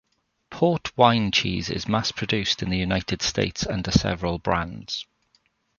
Port wine cheese is mass-produced in the United States under several brands.